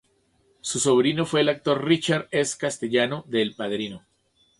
Su sobrino fue el actor Richard S. Castellano de El padrino.